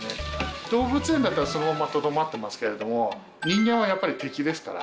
動物園だったらそのままとどまってますけれども人間はやっぱり敵ですから。